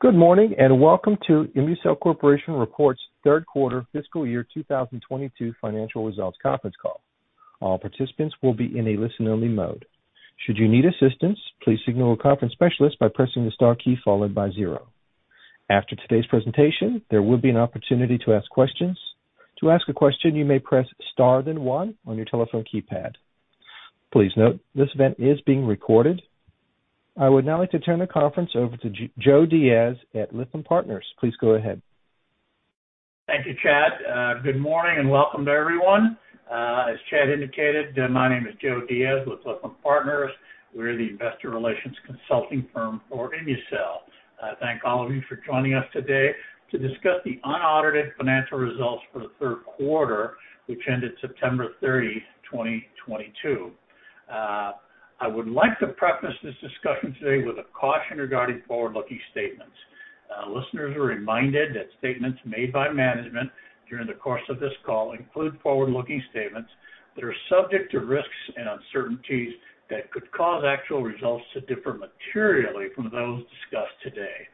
Good morning, and welcome to ImmuCell Corporation Reports third quarter fiscal year 2022 financial results conference call. All participants will be in a listen-only mode. Should you need assistance, please signal a conference specialist by pressing the star key followed by zero. After today's presentation, there will be an opportunity to ask questions. To ask a question, you may press star then one on your telephone keypad. Please note this event is being recorded. I would now like to turn the conference over to Joe Diaz at Lytham Partners. Please go ahead. Thank you, Chad. Welcome to everyone. As Chad indicated, my name is Joe Diaz, Joe Diaz with Lytham Partners. We're the investor relations consulting firm for ImmuCell. I thank all of you for joining us today to discuss the unaudited financial results for the third quarter, which ended 30 September, 2022. I would like to preface this discussion today with a caution regarding forward-looking statements. Listeners are reminded that statements made by management during the course of this call include forward-looking statements that are subject to risks and uncertainties that could cause actual results to differ materially from those discussed today.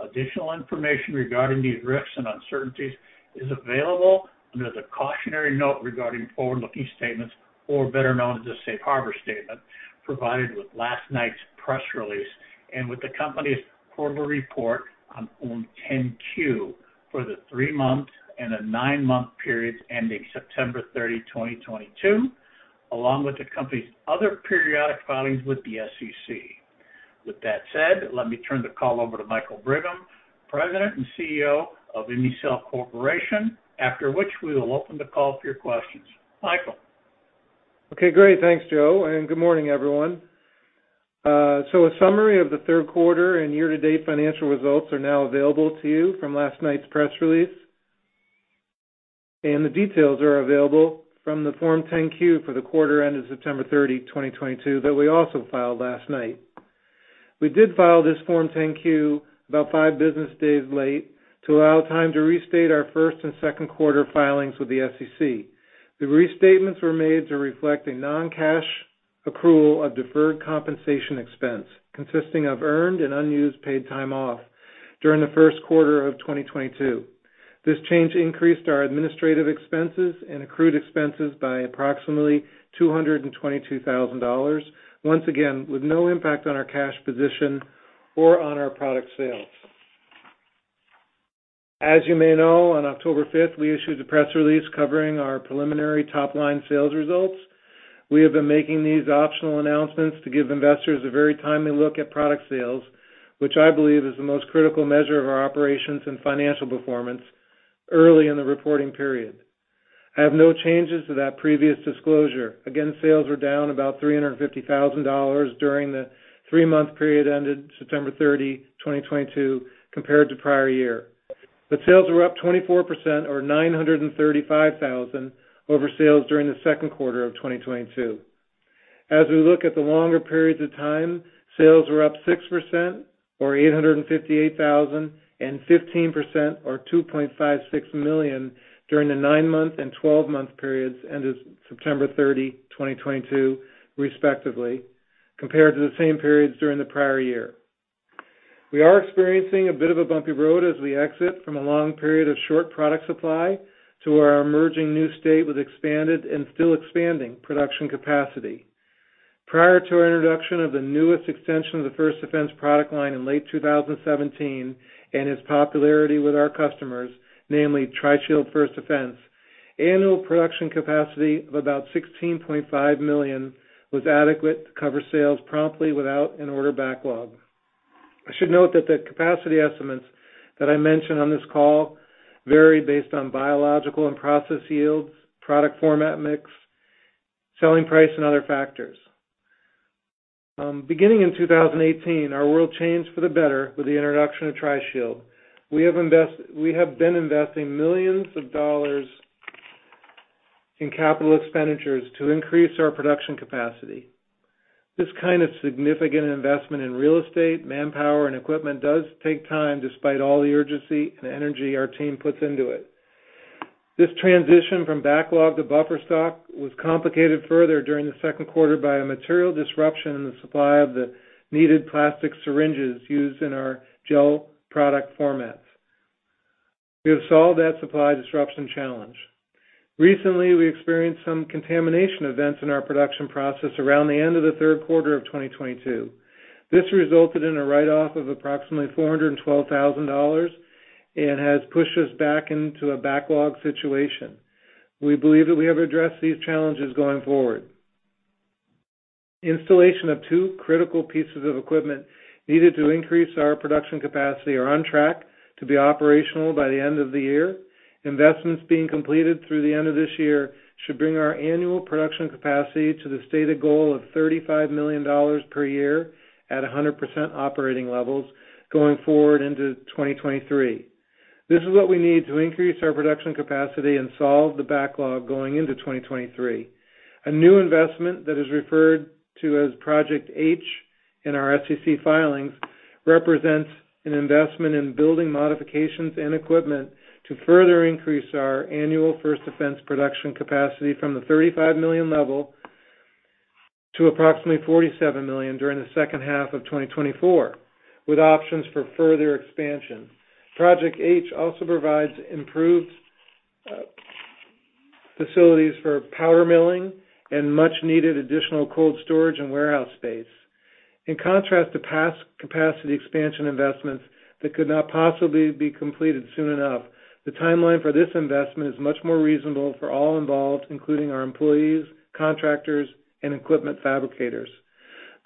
Additional information regarding these risks and uncertainties is available under the cautionary note regarding forward-looking statements or better known as the Safe Harbor statement, provided with last night's press release and with the company's quarterly report on Form 10-Q for the three-month and the nine-month periods ending 30 September, 2022, along with the company's other periodic filings with the SEC. Let me turn the call over to Michael Brigham, President and CEO of ImmuCell Corporation, after which we will open the call for your questions. Michael. Okay, great. Thanks, Joe, and good morning, everyone. A summary of the third quarter and year-to-date financial results are now available to you from last night's press release. The details are available from the Form 10-Q for the quarter ended 30 September, 2022 that we also filed last night. We did file this Form 10-Q about five business days late to allow time to restate our first and second quarter filings with the SEC. The restatements were made to reflect a non-cash accrual of deferred compensation expense consisting of earned and unused paid time off during the first quarter of 2022. This change increased our administrative expenses and accrued expenses by approximately $222,000. Once again, with no impact on our cash position or on our product sales. As you may know, on October 5th, we issued a press release covering our preliminary top-line sales results. We have been making these optional announcements to give investors a very timely look at product sales, which I believe is the most critical measure of our operations and financial performance early in the reporting period. I have no changes to that previous disclosure. Again, sales were down about $350,000 during the three-month period ended 30 September, 2022, compared to prior year. The sales were up 24% or $935,000 over sales during the second quarter of 2022. As we look at the longer periods of time, sales were up 6% or $858,000, and 15% or $2.56 million during the nine-month and twelve-month periods ended 30 September, 2022, respectively, compared to the same periods during the prior year. We are experiencing a bit of a bumpy road as we exit from a long period of short product supply to our emerging new state with expanded and still expanding production capacity. Prior to our introduction of the newest extension of the First Defense product line in late 2017 and its popularity with our customers, namely Tri-Shield First Defense, annual production capacity of about 16.5 million was adequate to cover sales promptly without an order backlog. I should note that the capacity estimates that I mentioned on this call vary based on biological and process yields, product format mix, selling price, and other factors. Beginning in 2018, our world changed for the better with the introduction of Tri-Shield. We have been investing millions of dollars in capital expenditures to increase our production capacity. This kind of significant investment in real estate, manpower, and equipment does take time despite all the urgency and energy our team puts into it. This transition from backlog to buffer stock was complicated further during the second quarter by a material disruption in the supply of the needed plastic syringes used in our gel product formats. We have solved that supply disruption challenge. Recently, we experienced some contamination events in our production process around the end of the third quarter of 2022. This resulted in a write-off of approximately $412,000 and has pushed us back into a backlog situation. We believe that we have addressed these challenges going forward. Installation of two critical pieces of equipment needed to increase our production capacity are on track to be operational by the end of the year. Investments being completed through the end of this year should bring our annual production capacity to the stated goal of $35 million per year at 100% operating levels going forward into 2023. This is what we need to increase our production capacity and solve the backlog going into 2023. A new investment that is referred to as Project H in our SEC filings, represents an investment in building modifications and equipment to further increase our annual First Defense production capacity from the 35 million level to approximately 47 million during the second half of 2024, with options for further expansion. Project H also provides improved facilities for powder milling and much needed additional cold storage and warehouse space. In contrast to past capacity expansion investments that could not possibly be completed soon enough, the timeline for this investment is much more reasonable for all involved, including our employees, contractors, and equipment fabricators.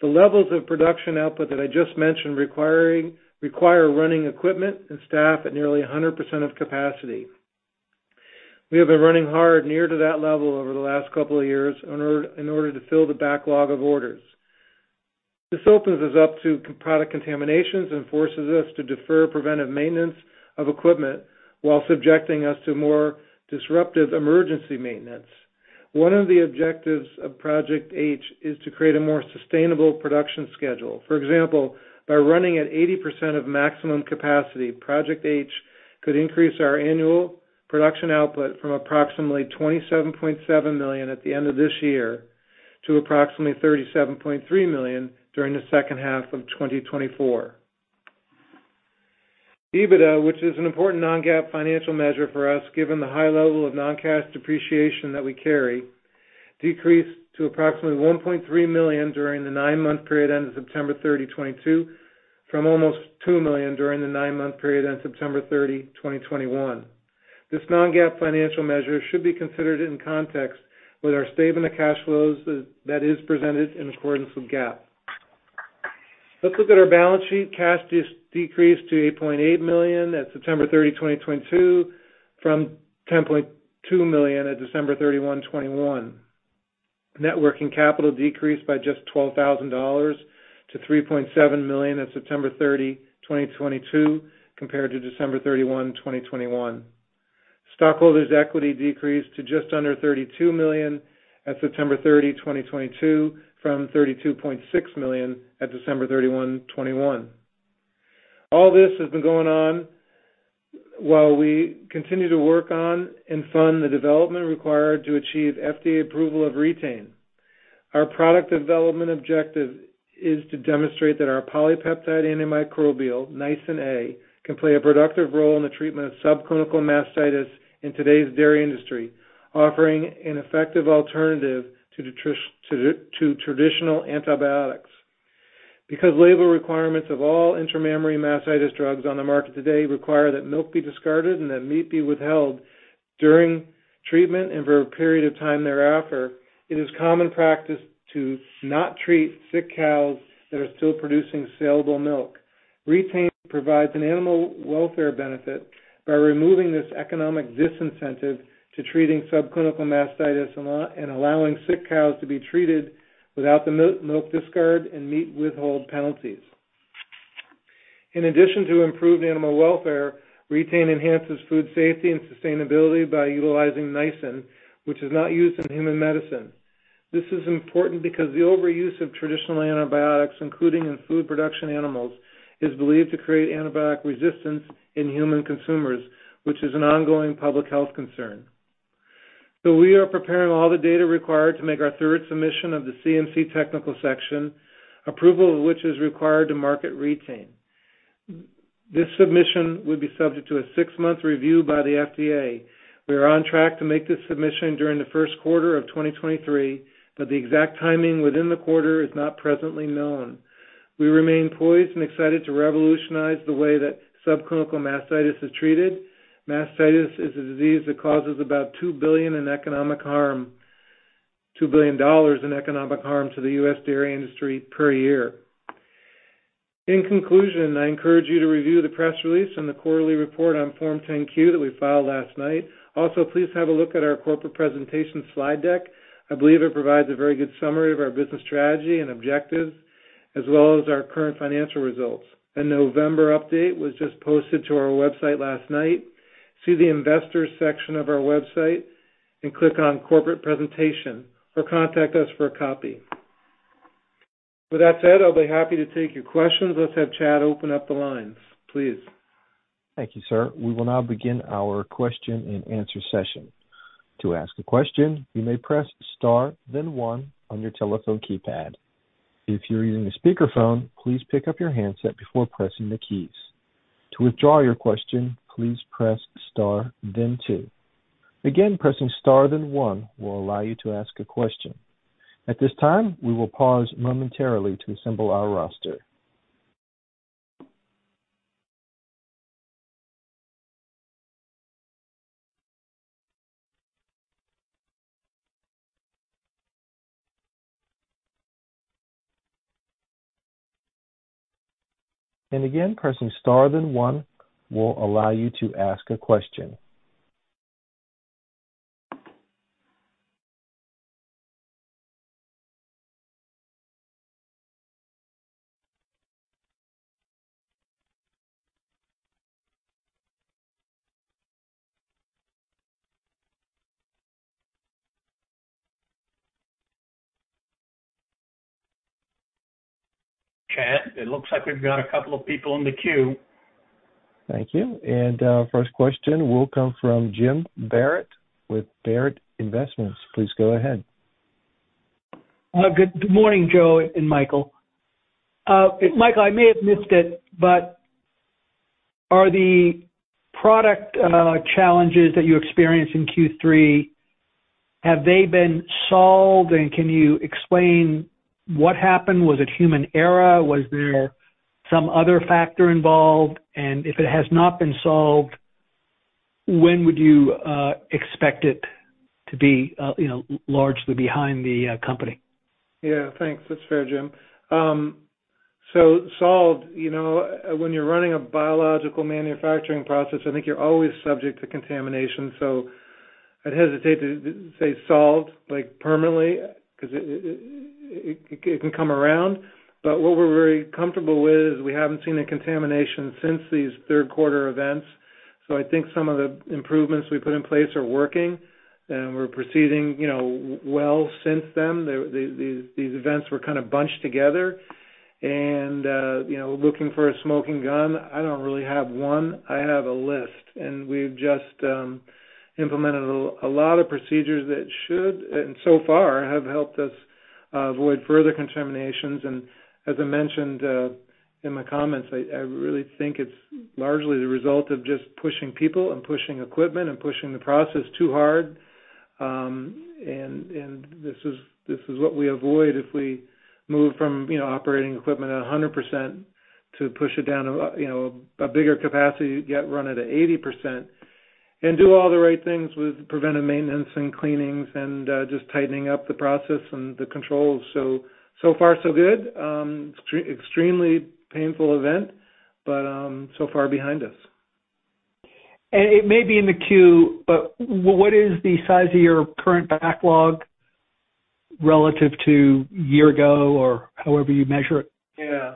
The levels of production output that I just mentioned require running equipment and staff at nearly 100% of capacity. We have been running hard near to that level over the last couple of years in order to fill the backlog of orders. This opens us up to product contaminations and forces us to defer preventive maintenance of equipment while subjecting us to more disruptive emergency maintenance. One of the objectives of Project H is to create a more sustainable production schedule. For example, by running at 80% of maximum capacity, Project H could increase our annual production output from approximately 27.7 million at the end of this year to approximately 37.3 million during the second half of 2024. EBITDA, which is an important non-GAAP financial measure for us, given the high level of non-cash depreciation that we carry, decreased to approximately $1.3 million during the nine-month period ended 30 September, 2022, from almost $2 million during the nine-month period ended 30 September 2021. This non-GAAP financial measure should be considered in context with our statement of cash flows that is presented in accordance with GAAP. Let's look at our balance sheet. Cash decreased to $8.8 million at 30 September, 2022, from $10.2 million at 31 December, 2021. Net working capital decreased by just $12,000- $3.7 million at 30 September, 2022, compared to 31 December, 2021. Stockholders equity decreased to just under $32 million at 30 September, 2022, from $32.6 million at 31 December, 2021. All this has been going on while we continue to work on and fund the development required to achieve FDA approval of Re-Tain. Our product development objective is to demonstrate that our polypeptide antimicrobial, Nisin A, can play a productive role in the treatment of subclinical mastitis in today's dairy industry, offering an effective alternative to traditional antibiotics. Because label requirements of all intramammary mastitis drugs on the market today require that milk be discarded and that meat be withheld during treatment and for a period of time thereafter, it is common practice to not treat sick cows that are still producing salable milk. Re-Tain provides an animal welfare benefit by removing this economic disincentive to treating subclinical mastitis and allowing sick cows to be treated without the milk discard and meat withhold penalties. In addition to improved animal welfare, Re-Tain enhances food safety and sustainability by utilizing Nisin, which is not used in human medicine. This is important because the overuse of traditional antibiotics, including in food production animals, is believed to create antibiotic resistance in human consumers, which is an ongoing public health concern. We are preparing all the data required to make our third submission of the CMC technical section, approval of which is required to market Re-Tain. This submission would be subject to a six-month review by the FDA. We are on track to make this submission during the first quarter of 2023, but the exact timing within the quarter is not presently known. We remain poised and excited to revolutionize the way that subclinical mastitis is treated. Mastitis is a disease that causes about $2 billion in economic harm to the U.S. dairy industry per year. In conclusion, I encourage you to review the press release and the quarterly report on Form 10-Q that we filed last night. Please have a look at our corporate presentation slide deck. I believe it provides a very good summary of our business strategy and objectives, as well as our current financial results. A November update was just posted to our website last night. See the investors section of our website and click on corporate presentation or contact us for a copy. With that said, I'll be happy to take your questions. Let's have Chad open up the lines, please. Thank you, sir. We will now begin our question and answer session. To ask a question, you may press star then one on your telephone keypad. If you're using a speaker phone, please pick up your handset before pressing the keys. To withdraw your question, please press star then two. Again, pressing star then one will allow you to ask a question. At this time, we will pause momentarily to assemble our roster. Again, pressing star then one will allow you to ask a question. Chad, it looks like we've got a couple of people in the queue. Thank you. First question will come from Jim Barrett with Barrett Investments. Please go ahead. Good morning, Joe and Michael. Michael, I may have missed it, but are the product challenges that you experienced in Q3, have they been solved? Can you explain what happened? Was it human error? Was there some other factor involved? If it has not been solved, when would you expect it to be, largely behind the company? Yeah, thanks. That's fair, Jim. Solved, when you're running a biological manufacturing process, I think you're always subject to contamination. I'd hesitate to say solved, like, permanently 'cause it can come around. What we're very comfortable with is we haven't seen a contamination since these third quarter events. I think some of the improvements we put in place are working, and we're proceeding, well since then. These events were kind of bunched together and, looking for a smoking gun, I don't really have one. I have a list. We've just implemented a lot of procedures that should and so far have helped us avoid further contaminations. As I mentioned, in my comments, I really think it's largely the result of just pushing people and pushing equipment and pushing the process too hard. This is what we avoid as we move from, operating equipment at 100% to push it down, a bigger capacity get run at 80% and do all the right things with preventive maintenance and cleanings and just tightening up the process and the controls. so far so good. extremely painful event, but so far behind us. It may be in the queue, but what is the size of your current backlog relative to year ago or however you measure it? Yeah.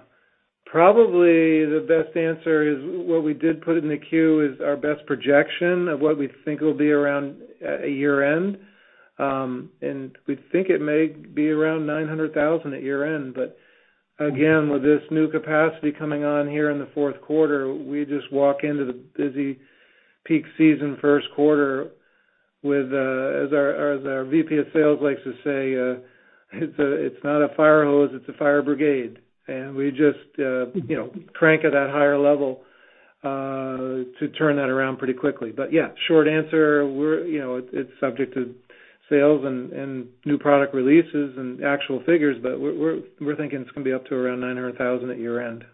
Probably the best answer is what we did put it in the queue is our best projection of what we think it'll be around at year-end. We think it may be around $900,000 at year-end. Again, with this new capacity coming on here in the fourth quarter, we just walk into the busy peak season first quarter with, as our, as our VP of sales likes to say, it's not a fire hose, it's a fire brigade. We just,, crank at that higher level to turn that around pretty quickly. Yeah, short answer we're, it's subject to sales and new product releases and actual figures, but we're thinking it's gonna be up to around $900,000 at year-end.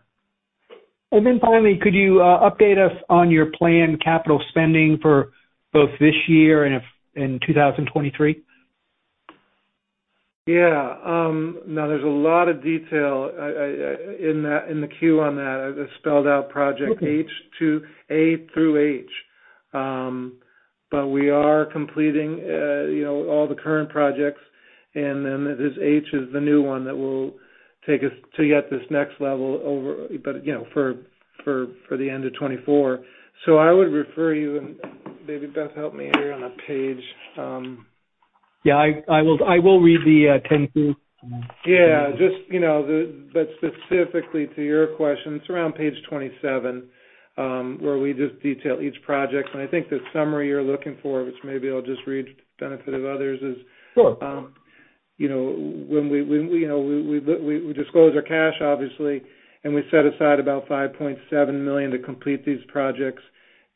Finally, could you update us on your planned capital spending for both this year and if in 2023? Yeah. Now there's a lot of detail in that, in the queue on that. I just spelled out Project H through H. We are completing, all the current projects, and then this H is the new one that will take us to get this next level over, but for the end of 2024. I would refer you and maybe Beth help me here on the page. I will read the, ten through. Yeah, just, you know, but specifically to your question, it's around page twenty-seven, where we just detail each project. I think the summary you're looking for, which maybe I'll just read benefit of others. Sure. You know, when we, disclose our cash obviously, and we set aside about $5.7 million to complete these projects,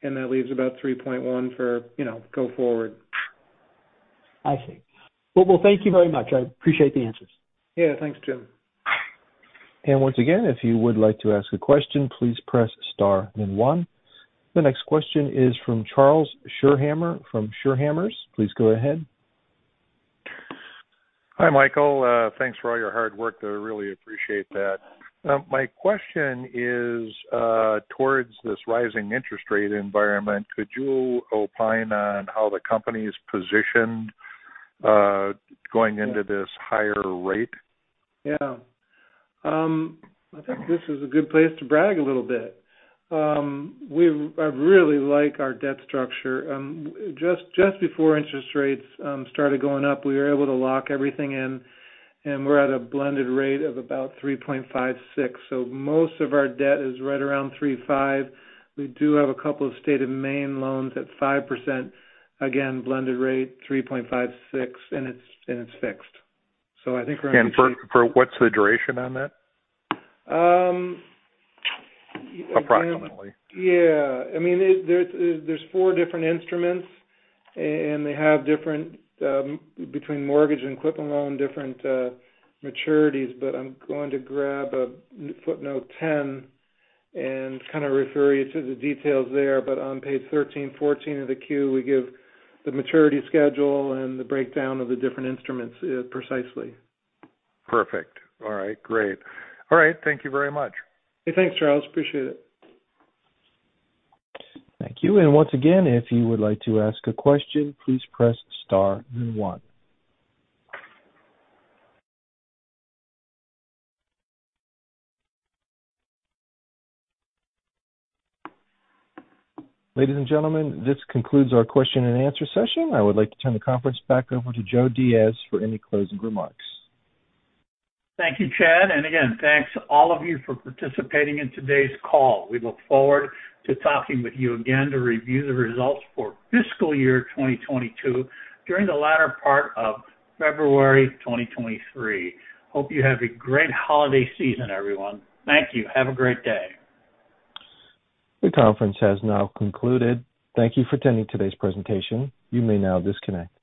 and that leaves about $3.1 million for, go forward. I see. Well, thank you very much. I appreciate the answers. Yeah, thanks, Jim. Once again, if you would like to ask a question, please press star then one. The next question is from Charles Schirmeier from Schirmeier Please go ahead. Hi, Michael. Thanks for all your hard work. I really appreciate that. My question is, towards this rising interest rate environment, could you opine on how the company is positioned, going into this higher rate? Yeah. I think this is a good place to brag a little bit. I really like our debt structure. Just before interest rates started going up, we were able to lock everything in, and we're at a blended rate of about 3.56. Most of our debt is right around 3.5. We do have a couple of State of Maine loans at 5%. Again, blended rate, 3.56, and it's fixed. I think we're in pretty shape... For what's the duration on that? Um- Approximately. Yeah. I mean, there's four different instruments and they have different, between mortgage and equipment loan, different maturities. I'm going to grab footnote 10 and kind of refer you to the details there. On page thirteen, fourteen of the queue, we give the maturity schedule and the breakdown of the different instruments precisely. Perfect. All right, great. All right, thank you very much. Thanks, Charles. Appreciate it. Thank you. Once again, if you would like to ask a question, please press star then one. Ladies and gentlemen, this concludes our question and answer session. I would like to turn the conference back over to Joe Diaz for any closing remarks. Thank you, Chad. Again, thanks all of you for participating in today's call. We look forward to talking with you again to review the results for fiscal year 2022 during the latter part of February 2023. Hope you have a great holiday season, everyone. Thank you. Have a great day. The conference has now concluded. Thank you for attending today's presentation. You may now disconnect.